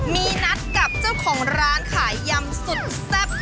มีนัดกับเจ้าของร้านขายยำสุดแซ่บ